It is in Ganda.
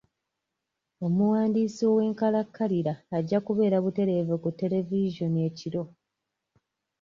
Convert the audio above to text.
Omuwandiisi ow'enkalakalira ajja kubeera butereevu ku televizoni ekiro.